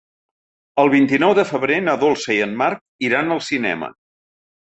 El vint-i-nou de febrer na Dolça i en Marc iran al cinema.